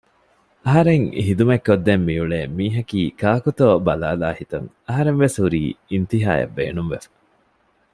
އަހަރެން ހިދުމަތް ކޮށްދެން މިއުޅޭ މީހަކީ ކާކުތޯ ބަލާލާހިތުން އަހަރެންވެސް ހުރީ އިންތިހާޔަށް ބޭނުންވެފަ